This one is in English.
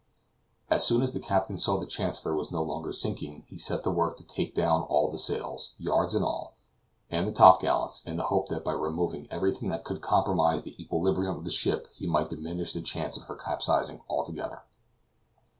As soon as the captain saw the Chancellor was no longer sinking, he set to work to take down all the sails yards and all and the top gallants, in the hope that by removing everything that could compromise the equilibrium of the ship he might diminish the chance of her capsizing altogether.